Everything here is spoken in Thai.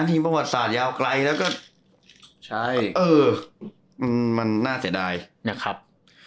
ที่มันกว่าสระยาวไกลแล้วก็ใช่เออมันน่าเสียดายเนี่ยครับ